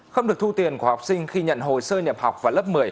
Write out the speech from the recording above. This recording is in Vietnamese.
không được thu tiền của học sinh khi nhận hồ sơ nhập học vào lớp một mươi